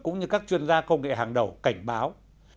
cũng như các chuyên gia công nghệ hàng đầu cảnh báo